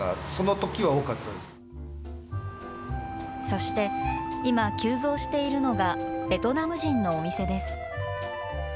そして、今、急増しているのがベトナム人のお店です。